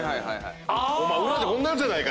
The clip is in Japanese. お前裏でこんなやつやないか！